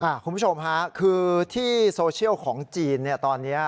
คุณผู้ชมค่ะคือที่โซเชียลของจีนเนี่ยตอนนี้